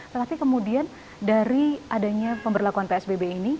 tetapi kemudian dari adanya pemberlakuan psbb ini